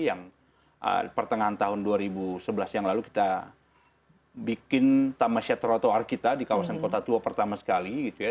yang pertengahan tahun dua ribu sebelas yang lalu kita bikin taman set trotoar kita di kawasan kota tua pertama sekali gitu ya